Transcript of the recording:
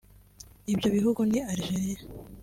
Ibyo bihugu ni Algeria